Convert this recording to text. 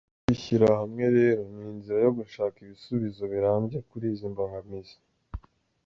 Kwishyira hamwe rero ni inzira yo gushaka ibisubizo birambye kuri izi mbogamizi.